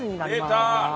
出た！